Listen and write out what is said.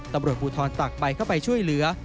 ตำรวจภูทรตักใบเข้าไปช่วยเหลือ